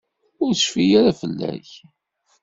Ur tecfi ara fell-ak.